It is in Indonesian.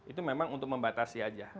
itu memang untuk membatasi aja